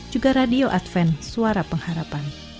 juga radio advent suara pengharapan